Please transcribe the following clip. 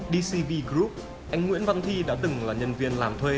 dcv group anh nguyễn văn thi đã từng là nhân viên làm thuê